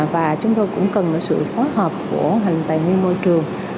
và chúng tôi cũng cần sự phối hợp của ngành tài nguyên môi trường